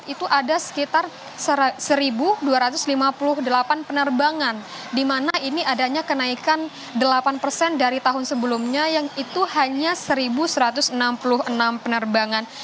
itu ada sekitar satu dua ratus lima puluh delapan penerbangan di mana ini adanya kenaikan delapan persen dari tahun sebelumnya yang itu hanya satu satu ratus enam puluh enam penerbangan